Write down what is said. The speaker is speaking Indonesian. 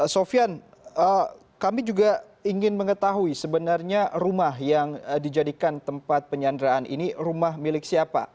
sofian kami juga ingin mengetahui sebenarnya rumah yang dijadikan tempat penyanderaan ini rumah milik siapa